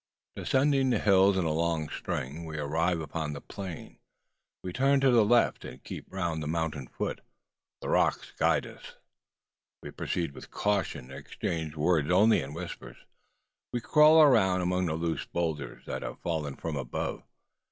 Descending the hills in a long string, we arrive upon the plain. We turn to the left, and keep round the mountain foot. The rocks guide us. We proceed with caution, and exchange our words only in whispers. We crawl around and among loose boulders that have fallen from above.